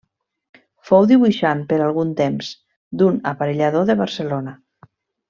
Fou dibuixant, per algun temps, d'un aparellador de Barcelona.